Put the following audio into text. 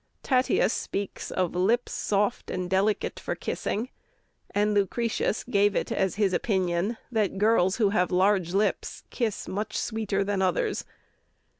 Tatius speaks of "lips soft and delicate for kissing;" and Lucretius gave it as his opinion that girls who have large lips kiss much sweeter than others.